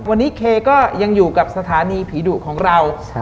วันนี้เคก็ยังอยู่กับสถานีผีดุของเรา